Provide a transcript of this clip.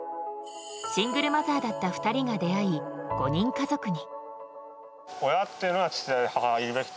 シングルマザーだった２人が出会い、５人家族に。